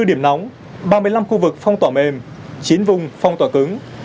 bảy mươi bốn điểm nóng ba mươi năm khu vực phong tỏa mềm chín vùng phong tỏa cứng